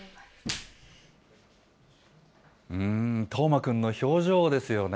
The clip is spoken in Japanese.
叶真くんの表情ですよね。